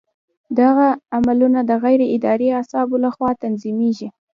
دغه عملونه د غیر ارادي اعصابو له خوا تنظیمېږي.